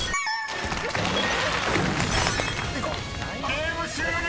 ［ゲーム終了！］